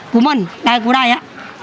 của mình đây của đây á